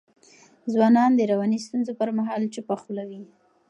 ځوانان د رواني ستونزو پر مهال چوپه خوله وي.